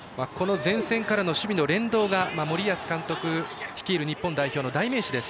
前線からの守備の連動が、森保監督率いる日本代表の代名詞。